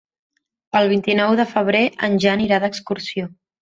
El vint-i-nou de febrer en Jan irà d'excursió.